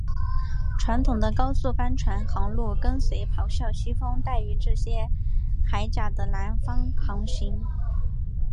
传统的高速帆船航路跟随咆哮西风带于这些海岬的南方航行。